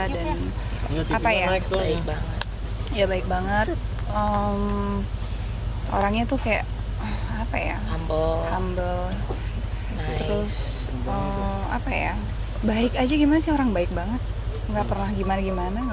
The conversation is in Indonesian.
dia baik banget orangnya humble baik banget gak pernah aneh aneh